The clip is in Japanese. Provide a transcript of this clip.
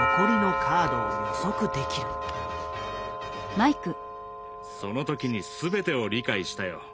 つまりその時に全てを理解したよ。